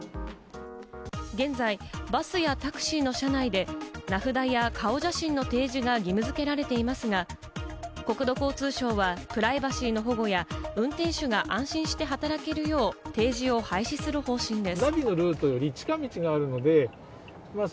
現在、バスやタクシーの車内で名札や顔写真の提示が義務付けられていますが、国土交通省はプライバシーの保護や、運転手が安心して働けるよう掲示を廃止する方針です。